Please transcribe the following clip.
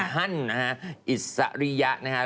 ฮั่นนะคะอิสริยะนะคะ